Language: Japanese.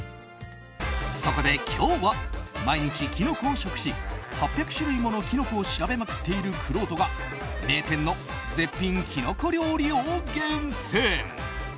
そこで今日は毎日キノコを食し８００種類ものキノコを調べまくっているくろうとが名店の絶品キノコ料理を厳選。